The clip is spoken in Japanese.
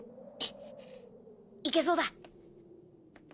行けそうだ。